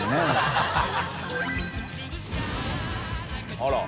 あら。